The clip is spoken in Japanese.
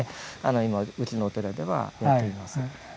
今うちのお寺ではやっています。